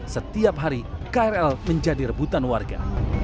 setiap hari krl menjadi rebutan warga